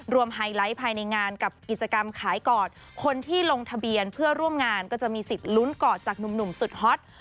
ไฮไลท์ภายในงานกับกิจกรรมขายกอดคนที่ลงทะเบียนเพื่อร่วมงานก็จะมีสิทธิ์ลุ้นกอดจากหนุ่มสุดฮอต